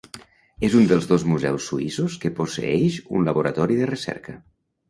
És un dels dos museus suïssos que posseeix un laboratori de recerca.